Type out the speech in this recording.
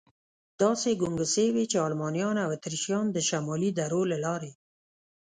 داسې ګنګوسې وې، چې المانیان او اتریشیان د شمالي درو له لارې.